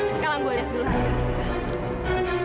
sekarang gue jatuh dulu aja